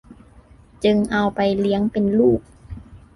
จึงเอาไปเลี้ยงเป็นลูก